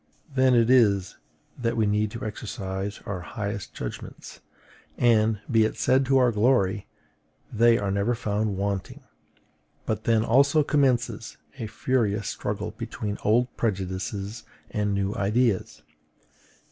Then it is that we need to exercise our highest judgments; and, be it said to our glory, they are never found wanting: but then also commences a furious struggle between old prejudices and new ideas.